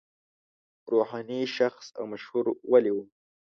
روحاني شخص او مشهور ولي و.